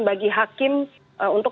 bagi hakim untuk